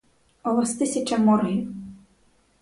У вас тисяча моргів.